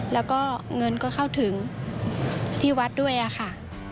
แล้วก็เงินก็เข้าถึงที่วัดด้วยค่ะ